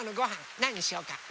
なんにしようか？